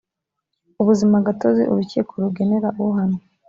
ubuzimagatozi urukiko rugenera uhanwa